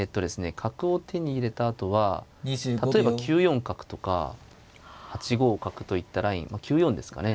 角を手に入れたあとは例えば９四角とか８五角といったラインまあ９四ですかね。